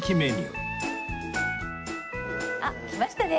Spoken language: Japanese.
あっきましたね。